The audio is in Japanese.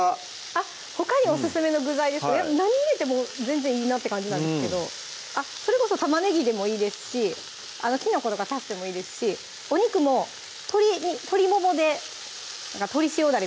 あっほかにオススメの具材ですか何入れても全然いいなって感じなんですけどそれこそたまねぎでもいいですしきのことか足してもいいですしお肉も鶏ももで鶏塩だれ